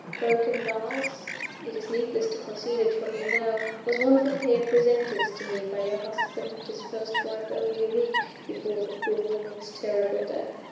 The broken vase it is needless to conceal it from you now was one of a pair presented to me by your husband and his first wife only a week before the poor woman's terrible death.